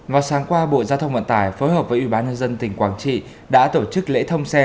vào sáng qua bộ giao thông vận tải phối hợp với ủy ban nhân dân tỉnh quảng trị đã tổ chức lễ thông xe